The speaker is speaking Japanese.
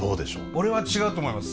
俺は違うと思います。